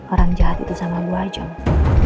orang jahat itu sama bu aja mas